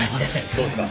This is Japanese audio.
どうですか？